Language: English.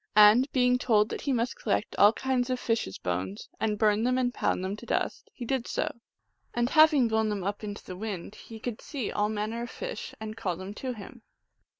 And being told that he must collect all kinds of fishes bones, and burn them and pound them to dust, he did so ; and, having blown them up into the wind, he could see all manner of fish and call them to him.